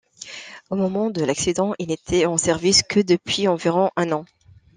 Au moment de l'accident, il n’était en service que depuis environ un an.